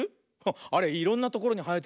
あれいろんなところにはえてるよね。